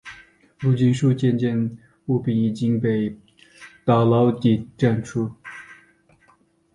如今数千件物品已经被打捞及展出。